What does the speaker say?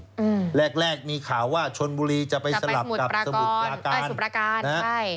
อืมแรกแรกมีข่าวว่าชนบุรีจะไปสลับกับสมุทรปราการอ่าสมุทรประการใช่